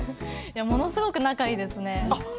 ものすごく仲がいいですね。